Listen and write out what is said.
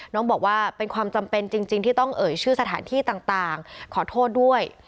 น้องบอกว่าเป็นความจำเป็นจริงที่ต้องเอ่ยชื่อสถานที่ต่างขอโทษด้วย